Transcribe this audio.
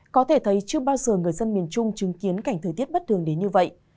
có thể thấy chưa bao giờ người dân miền trung chứng kiến cảnh thời tiết bất thường đến như vậy